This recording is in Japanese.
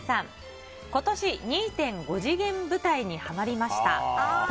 今年、２．５次元舞台にはまりました。